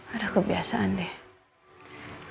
aduh kebiasaan deh